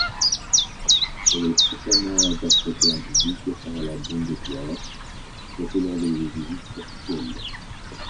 Elle est fréquemment interprétée en public par la Bundeswehr, surtout lors des visites officielles.